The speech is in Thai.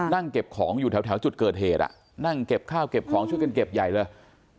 นั่งเก็บของอยู่แถวจุดเกิดเหตุนั่งเก็บข้าวเก็บของช่วยกันเก็บใหญ่เลย